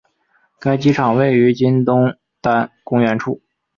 该机场位于今东单公园处。